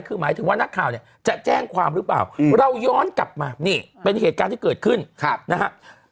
คือหมายถึงว่านักข่าวเนี่ยจะแจ้งความหรือเปล่าเราย้อนกลับมานี่เป็นเหตุการณ์ที่เกิดขึ้นนะครับ